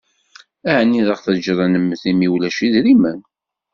Ɛni ad ɣ-teǧǧeḍ an-nemmet imi ulac idrimen?